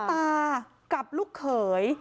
พ่อตากลับลูกเขย